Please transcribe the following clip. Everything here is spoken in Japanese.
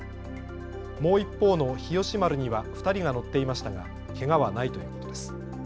もう一方の日吉丸には２人が乗っていましたがけがはないということです。